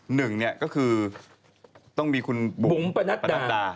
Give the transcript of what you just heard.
หนึ่งเนี่ยก็คือต้องมีคุณบุ๋มประนัดดา